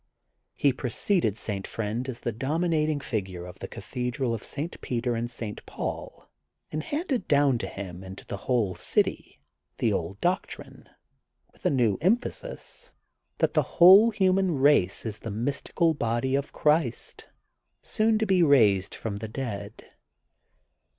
He preceded St. Friend as the domi nating figure of the Cathedral of St. Peter and St. Paul and handed down to him and to the whole city the old doctrine, with a new em phasis, that the whole human, race is the mys tical hody of Christ, soon to he raised from the dead.